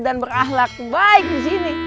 dan berahlak baik disini